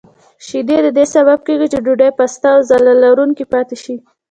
شیدې د دې سبب کېږي چې ډوډۍ پسته او ځلا لرونکې پاتې شي.